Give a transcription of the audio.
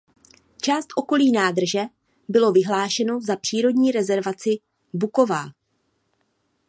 Část okolí nádrže bylo vyhlášeno za přírodní rezervaci Buková.